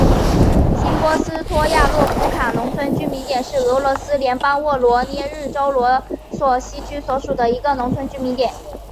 新波斯托亚洛夫卡农村居民点是俄罗斯联邦沃罗涅日州罗索希区所属的一个农村居民点。